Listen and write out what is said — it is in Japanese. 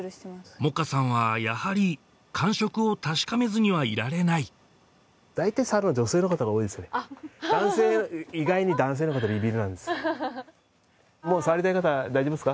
萌歌さんはやはり感触を確かめずにはいられない大体意外に触りたい方大丈夫ですか？